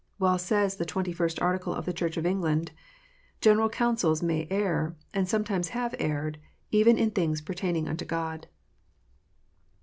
Well says the Twenty first Article of the Church of England, " General councils may err, and sometimes have erred, even in things pertaining unto God."